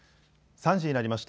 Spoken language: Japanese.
３時になりました。